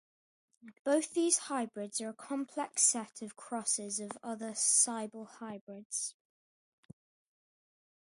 Both these hybrids are a complex set of crosses of other Seibel hybrids.